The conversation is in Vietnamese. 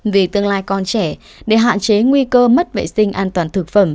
vì tương lai con trẻ để hạn chế nguy cơ mất vệ sinh an toàn thực phẩm